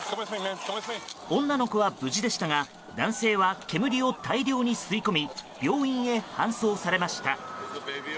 女の子は無事でしたが男性は煙を大量に吸い込み病院へ搬送されました。